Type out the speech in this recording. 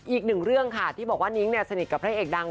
อีกหนึ่งเรื่องค่ะที่บอกว่านิ้งสนิทแพทย์เอกดัง